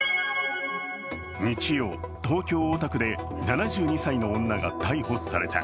日曜、東京・大田区で７２歳の女が逮捕された。